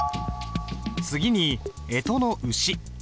次にえとの「丑」。